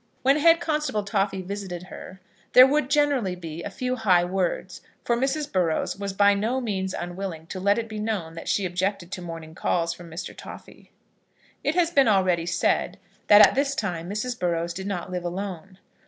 When Head Constable Toffy visited her there would be generally a few high words, for Mrs. Burrows was by no means unwilling to let it be known that she objected to morning calls from Mr. Toffy. It has been already said that at this time Mrs. Burrows did not live alone.